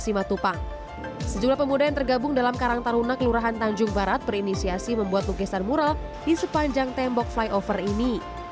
sejumlah pemuda yang tergabung dalam karang taruna kelurahan tanjung barat berinisiasi membuat lukisan mural di sepanjang tembok flyover ini